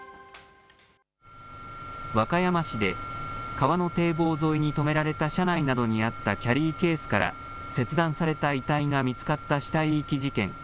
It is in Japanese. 和歌山市で川の堤防沿いに止められた車内などにあったキャリーケースから切断された遺体が見つかった死体遺棄事件。